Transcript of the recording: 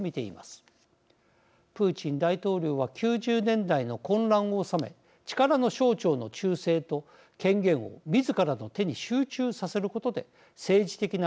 プーチン大統領は９０年代の混乱を収め力の象徴の忠誠と権限を自らの手に集中させることで政治的な安定を維持してきました。